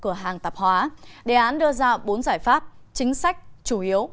cửa hàng tạp hóa đề án đưa ra bốn giải pháp chính sách chủ yếu